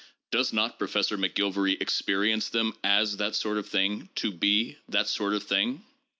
Does not Professor Mc Gilvary experience them as that sort of thing, to be that sort of thing